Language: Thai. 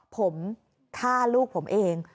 ผมฆ่าลูกผมเอง